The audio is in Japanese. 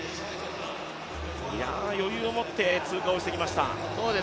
余裕を持って通過してきました。